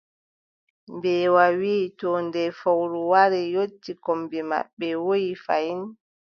Mbeewa wii: to nde fowru wari yotti kombi maɓɓe, woyi fayin.